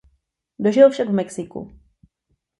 Dožil však v Mexiku.